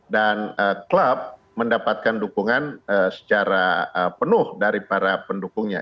dan klub mendapatkan dukungan secara penuh dari para pendukungnya